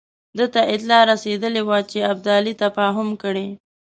ده ته اطلاع رسېدلې وه چې ابدالي تفاهم کړی.